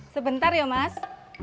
sebentar ya mas